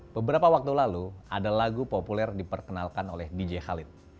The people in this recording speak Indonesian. beberapa waktu lalu ada lagu populer diperkenalkan oleh dj khalid